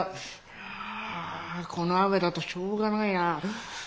あこの雨だとしょうがないな。